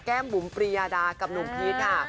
บุ๋มปรียาดากับหนุ่มพีชค่ะ